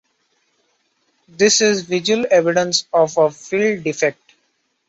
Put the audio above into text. This is visual evidence of a field defect.